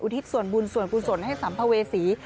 อุทิศส่วนบุญส่วนบุญส่วนให้สัมภเวศรี